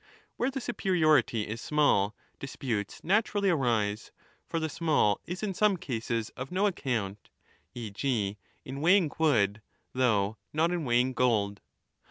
Where the superiority is small, disputes naturally arise ; for the small is in some cases of no account, e. g. in weighing wood, though not in weighing gold.